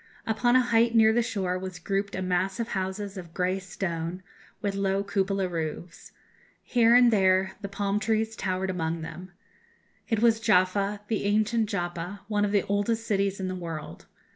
Upon a height near the shore was grouped a mass of houses of grey stone, with low cupola roofs. Here and there the palm trees towered among them. It was Jaffa, the ancient Joppa, one of the oldest cities in the world.